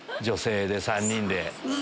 女性で３人で。